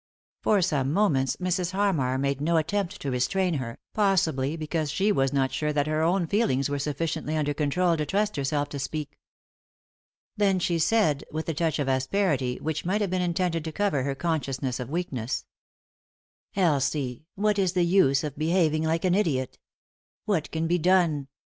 For some moments Mrs. Harmar made no attempt to restrain her, possibly because she was not sure that her own feelings were sufficiently under control to trust herself to speak. Then she said, with a touch of asperity which might have been intended to cover her consciousness of weakness: " Elsie, what is the use of behaving like an idiot ? What can be done